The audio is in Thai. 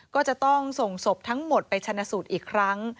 ก็จะต้องส่งศพทั้งหมดไปชนะสูตรอีกครั้ง